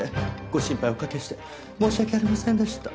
ご心配おかけして申し訳ありませんでした。